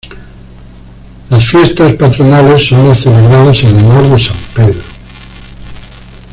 Las fiestas patronales son las celebradas en honor de San Pedro.